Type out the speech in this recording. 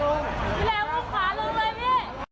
ลงไปพี่